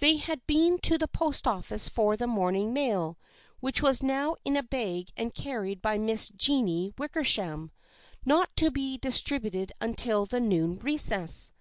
They had been to the post office for the morning mail, which was now in a bag and car ried by Miss Jennie Wickersham, not to be dis tributed until the noon recess.